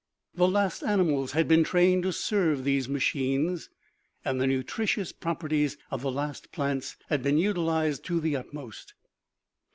The last animals had been trained to serve these machines, and the nutritious properties of the last plants had been utilized to the utmost.